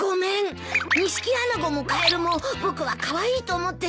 ニシキアナゴもカエルも僕はカワイイと思ってて。